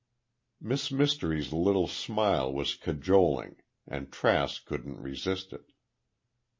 Miss Mystery's little smile was cajoling, and Trask couldn't resist it.